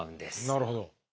なるほど。